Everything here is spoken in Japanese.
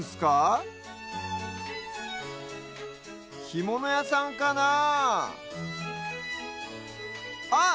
ひものやさんかなああっ！